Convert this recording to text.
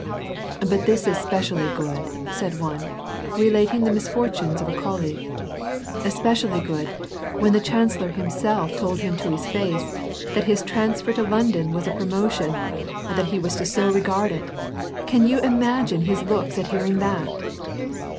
" But this is specially good," said one, relating the misfor tunes of a coUej^ue. " Especially good, when the chancellor himself told him to his face that his transfer to London was a promotion, and that he was so to regard it. Can you imagine his looks at hearing that